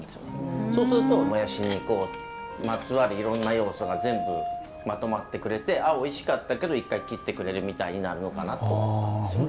そうするともやしにまつわるいろんな要素が全部まとまってくれておいしかったけど一回切ってくれるみたいになるのかなと思ったんですよね。